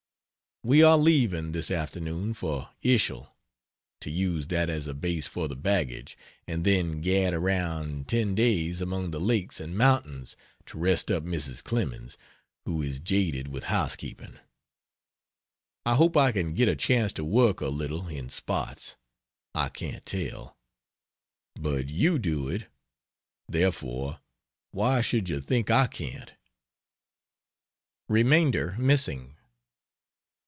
We are leaving, this afternoon, for Ischl, to use that as a base for the baggage, and then gad around ten days among the lakes and mountains to rest up Mrs. Clemens, who is jaded with housekeeping. I hope I can get a chance to work a little in spots I can't tell. But you do it therefore why should you think I can't? [Remainder missing.